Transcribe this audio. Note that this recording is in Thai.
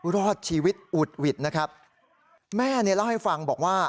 รอดชีวิตอุดหวิดนะครับแม่เนี่ยเล่าให้ฟังบอกว่า